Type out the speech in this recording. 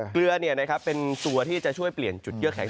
เกลือเป็นตัวที่จะช่วยเปลี่ยนจุดเยื่อแข็ง